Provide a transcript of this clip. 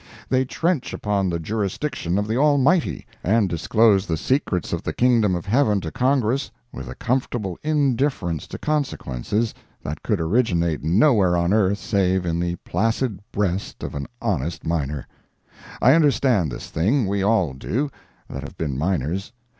They trench upon the jurisdiction of the Almighty, and disclose the secrets of the Kingdom of Heaven to Congress with a comfortable indifference to consequences that could originate nowhere on earth save in the placid breast of an honest miner. I understand this thing—we all do, that have been miners.